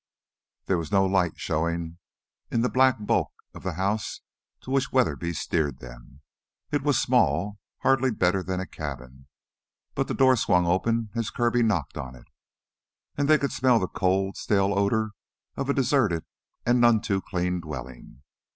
There was no light showing in the black bulk of the house to which Weatherby steered them. It was small, hardly better than a cabin, but the door swung open as Kirby knocked on it; and they could smell the cold, stale odor of a deserted and none too clean dwelling.